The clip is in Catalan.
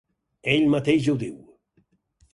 Ell mateix ho diu: